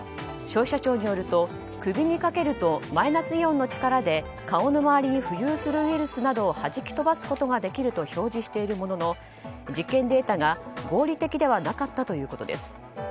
消費者庁によると首にかけるとマイナスイオンの力で顔の周りに浮遊するウイルスなどを弾き飛ばすことができると表示されているものの実験データが合理的ではなかったということです。